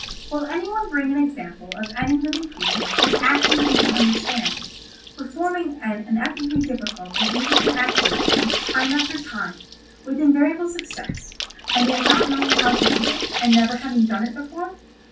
"Will any one bring an example of any living creature whose action we can understand, performing an ineffably difficult and intricate action, time after time, with invariable success, and yet not knowing how to do it, and never having done it before?